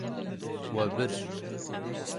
We bir.